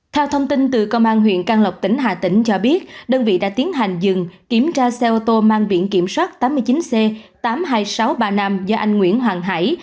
theo thông tin từ công an huyện căn lộc tỉnh hà tĩnh cho biết đơn vị đã tiến hành dừng kiểm tra xe ô tô mang biển kiểm soát tám mươi chín c tám mươi hai nghìn sáu trăm ba mươi năm do anh nguyễn hoàng hải